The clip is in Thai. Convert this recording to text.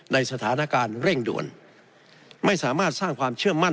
ในสถานการณ์เร่งด่วนไม่สามารถสร้างความเชื่อมั่น